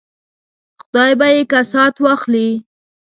خدای به یې کسات واخلي.